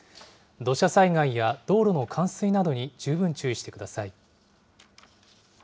土砂災害や道路の冠水などに十分注意してください。